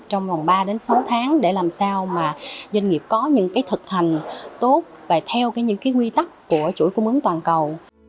trong vòng ba đến sáu tháng để làm sao mà doanh nghiệp có những thực hành tốt và theo những quy tắc của chuỗi cung ứng toàn cầu